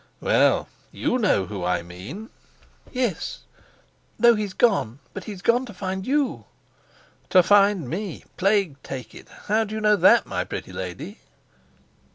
"Well, you know whom I mean." "Yes. No, he's gone; but he's gone to find you." "To find me! Plague take it! How do you know that, my pretty lady?"